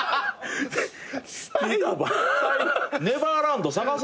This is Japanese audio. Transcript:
ネバーランド探そう。